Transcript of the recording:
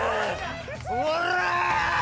おら！